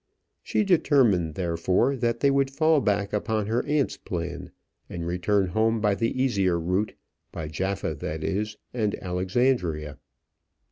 She determined, therefore, that they would fall back upon her aunt's plan, and return home by the easier route, by Jaffa, that is, and Alexandria.